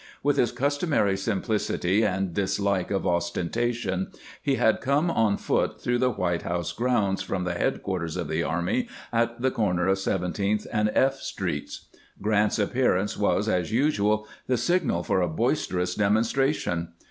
With his customary simplicity and dislike of ostentation, he had come on foot through the White House grounds from the headquarters of the army at the corner of 17th and F streets. Grant's appearance was, as usual, the signal for a boisterous demonstration.